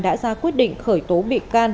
đã ra quyết định khởi tố bị can